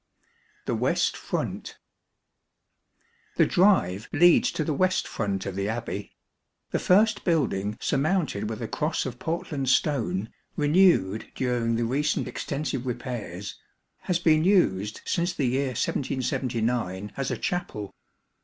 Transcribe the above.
The West Front. The drive leads to the west front of the Abbey. The first building surmounted with a cross of Portland stone, renewed during the recent extensive repairs, has been used since the year 1779 as a Chapel.